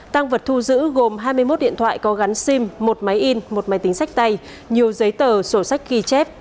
tăng vật thu giữ gồm hai mươi một điện thoại có gắn sim một máy in một máy tính sách tay nhiều giấy tờ sổ sách ghi chép